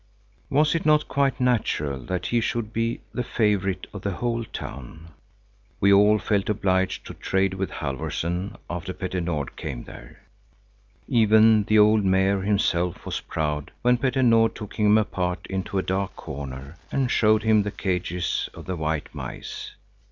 Was it not quite natural that he should be the favorite of the whole town? We all felt obliged to trade with Halfvorson, after Petter Nord came there. Even the old Mayor himself was proud when Petter Nord took him apart into a dark corner and showed him the cages of the white mice.